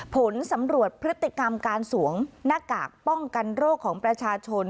ผลสำรวจพฤติกรรมการสวมหน้ากากป้องกันโรคของประชาชน